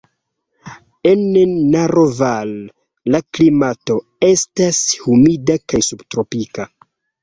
En Naroval la klimato estas humida kaj subtropika.